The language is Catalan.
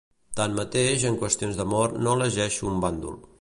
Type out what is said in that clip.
Tanmateix en qüestions d'amor, no elegeixo un bàndol.